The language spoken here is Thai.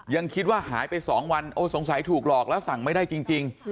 ยังคิดว่าหายไป๒วันโอ้สงสัยถูกหลอกแล้วสั่งไม่ได้จริง